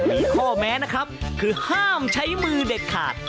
มีข้อแม้นะครับคือห้ามใช้มือเด็ดขาด